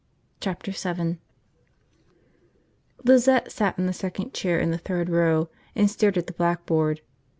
Chapter Seven LIZETTE sat in the second chair in the third row and stared at the blackboard.